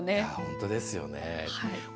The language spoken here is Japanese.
本当ですよね。